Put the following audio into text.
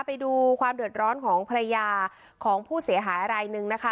ไปดูความเดือดร้อนของภรรยาของผู้เสียหายรายหนึ่งนะคะ